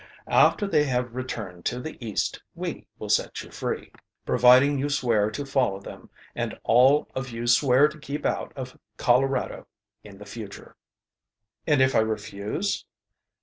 "After they have returned to the East we will set you free, providing you swear to follow them and all of you swear to keep out of Colorado in the future." "And if I refuse?"